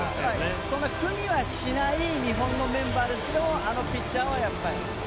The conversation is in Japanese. そんなに苦にはしない日本人バッターですけどあのピッチャーはやっぱり。